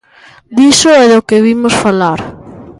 Diso é do que vimos falar.